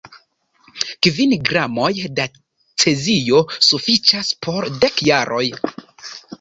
Kvin gramoj da cezio sufiĉas por dek jaroj.